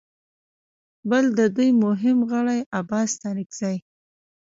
بل د دوی مهم غړي عباس ستانکزي